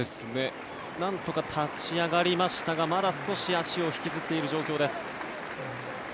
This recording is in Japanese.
なんとか立ち上がりましたがまだ少し足を引きずっている状況です。